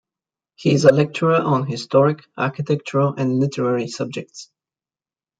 He is a lecturer on historic, architectural, and literary subjects.